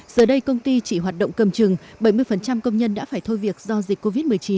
giờ đây công ty chỉ hoạt động cầm trừng bảy mươi công nhân đã phải thôi việc do dịch covid một mươi chín